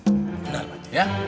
bener paji ya